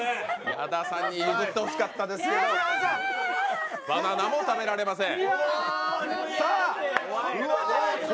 矢田さんに譲ってほしかったですけど、バナナも食べられません。